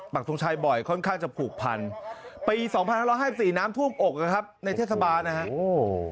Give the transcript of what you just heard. ปักทงชัยบ่อยค่อนข้างจะผูกภรรย์ปี๒๕๘๔น้ำท่วมอกดังครับในเทศบาลนะครับ